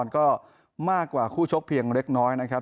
ก็มากกว่าคู่ชกเพียงเล็กน้อยนะครับ